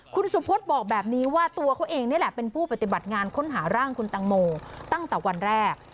คุณสุพธิ์บอกแบบนี้ว่าตัวเขาเองนี่แหละเป็นผู้ปฏิบัติงานค้นหาร่างคุณตังโมตั้งแต่วันแรก